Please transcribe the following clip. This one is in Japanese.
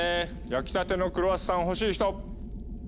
焼きたてのクロワッサン欲しい人？